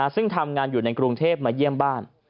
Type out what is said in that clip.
ซึ่งทำงานอยู่ในกรุงเทพมาเยี่ยมบ้าน